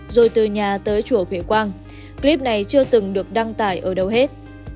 rồi từ nhà tới chùa huệ quang clip này chưa từng được đăng tải ở đâu hết